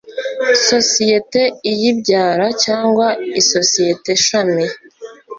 sosiyete iyibyara cyangwa isosiyete shami